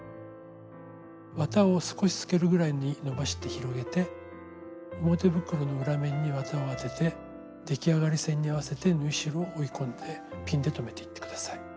綿を少し透けるぐらいにのばして広げて表袋の裏面に綿を当てて出来上がり線に合わせて縫い代を折り込んでピンで留めていって下さい。